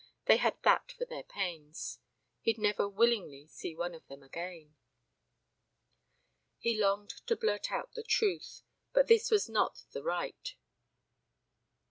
They had that for their pains. He'd never willingly see one of them again. He longed to blurt out the truth. But his was not the right.